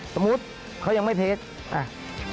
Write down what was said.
สมมุติเขายังไม่เทค